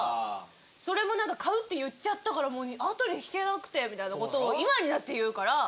それも買うって言っちゃったから後に引けなくてみたいなことを今になって言うから。